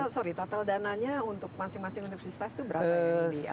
sorry total dananya untuk masing masing universitas itu berapa miliar